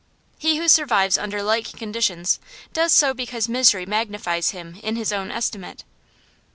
He who survives under like conditions does so because misery magnifies him in his own estimate.